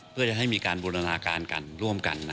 เพื่อจะให้มีการบูรณาการกันร่วมกัน